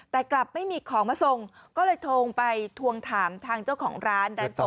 แต่กลับไม่มีของมาส่งก็เลยโทรไปทวงถามทางเจ้าของร้านร้านส่ง